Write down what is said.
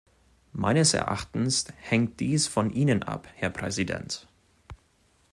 Meines Erachtens hängt dies von Ihnen ab, Herr Präsident.